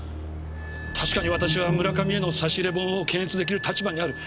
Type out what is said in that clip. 確かに私は村上への差し入れ本を検閲できる立場にある。